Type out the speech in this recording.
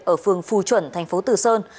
ở phường phù chuẩn tp từ sơn